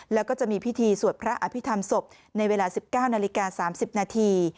แล้วก็จะมีพิธีสวดพระอภิษฐรรมศพในเวลา๑๙นาฬิกา๓๐นาที